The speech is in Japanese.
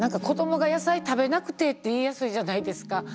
「子どもが野菜食べなくて」って言いやすいじゃないですか。